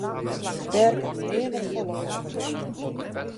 Dêr kaam nea net folle fan op de hispel.